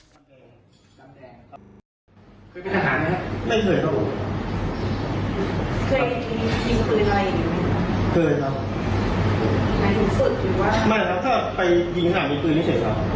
ก็ขับแล้วปกติเข้าบ้านครับเข้าไปถึงบ้านกุ๊บ